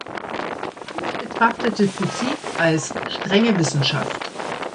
Kant betrachtete Physik als „strenge Wissenschaft“.